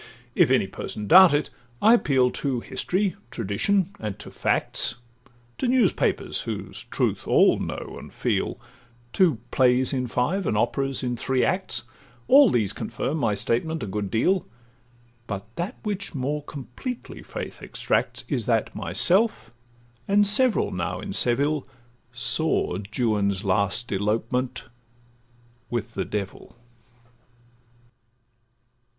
If any person doubt it, I appeal To history, tradition, and to facts, To newspapers, whose truth all know and feel, To plays in five, and operas in three acts; All these confirm my statement a good deal, But that which more completely faith exacts Is that myself, and several now in Seville, Saw Juan's last elopement with the devil.